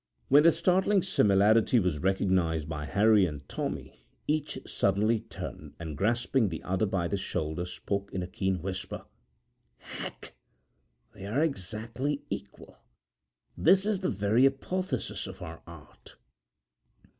When the startling similarity was recognized by Harry and Tommy, each suddenly turned, and, grasping the other by the shoulder, spoke in a keen whisper: 'Hack! They are exactly equal! This is the very apotheosis of our art!'